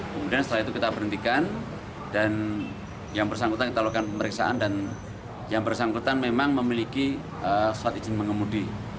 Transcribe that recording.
kemudian setelah itu kita berhentikan dan yang bersangkutan kita lakukan pemeriksaan dan yang bersangkutan memang memiliki surat izin mengemudi